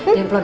eh yang pelan